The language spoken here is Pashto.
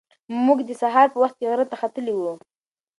موږ د سهار په وخت کې غره ته ختلي وو.